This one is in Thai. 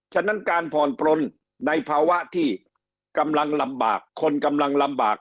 ฉะนั้นการผ่อนปลนในภาวะที่กำลังลำบากคนกำลังลำบาก